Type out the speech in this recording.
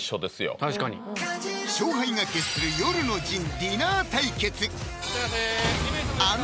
確かに勝敗が決する夜の陣・ディナー対決いいの？